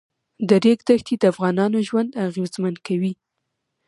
د ریګ دښتې د افغانانو ژوند اغېزمن کوي.